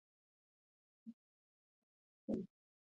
مېوې د افغانستان د موسم د بدلون سبب کېږي.